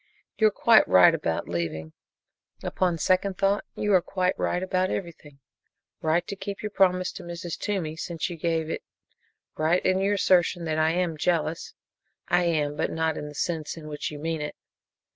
You are quite right about leaving. Upon second thought, you are quite right about everything right to keep your promise to Mrs. Toomey, since you gave it, right in your assertion that I am jealous. I am but not in the sense in which you mean it.